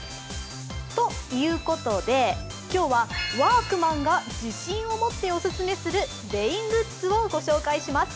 ということで、今日はワークマンが自信を持ってお勧めするレイングッズをご紹介します。